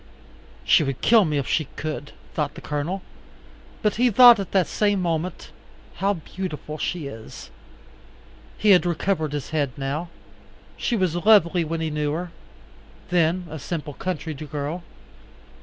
She would kill me if she could, thought the Colonel; but he thought at the same moment, how beautiful she is. He had recovered his head now. She was lovely when he knew her, then a simple country girl.